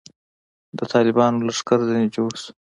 د طالبانو لښکر ځنې جوړ شو.